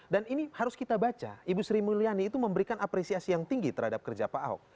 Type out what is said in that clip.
dan ini harus kita baca ibu sri mulyani itu memberikan apresiasi yang tinggi terhadap kerja pak ahok